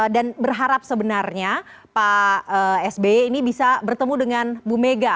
dan berharap sebenarnya pak sbe ini bisa bertemu dengan bu mega